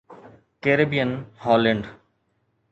Caribbean Holland